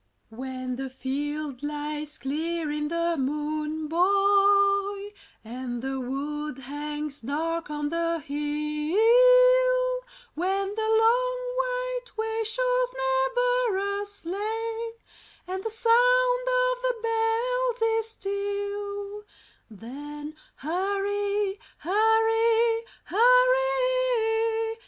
WHEN the field lies clear in the moon, boy, And the wood hangs dark on the hill, When the long white way shows never a sleigh, And the sound of the bells is still, Then hurry, hurry, hurry!